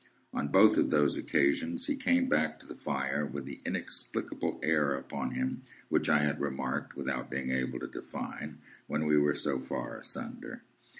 On both of those occasions, he came back to the fire with the inexplicable air upon him which I had remarked, without being able to define, when we were so far asunder.